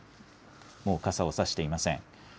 もう傘を差していません。